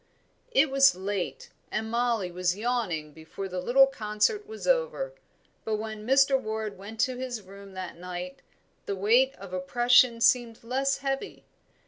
It was late, and Mollie was yawning before the little concert was over; but when Mr. Ward went to his room that night the weight of oppression seemed less heavy.